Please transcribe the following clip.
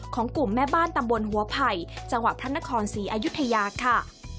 ของกลุ่มแม่บ้านตำบลหัวไผ่จังหวัดพระนครศรีอยุธยาค่ะ